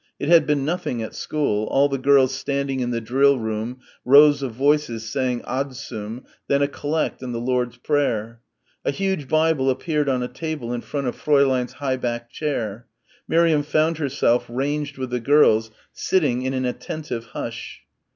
It had been nothing at school all the girls standing in the drill room, rows of voices saying "adsum," then a Collect and the Lord's Prayer. A huge Bible appeared on a table in front of Fräulein's high backed chair. Miriam found herself ranged with the girls, sitting in an attentive hush.